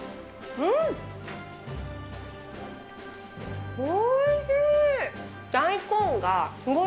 うん、おいしい。